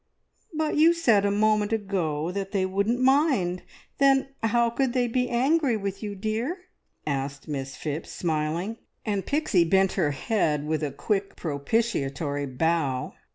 "But you said a moment ago that they `wouldn't mind'! Then how could they be angry with you, dear?" asked Miss Phipps, smiling, and Pixie bent her head with a quick propitiatory bow.